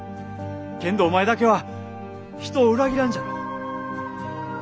けんどお前だけは人を裏切らんじゃろう。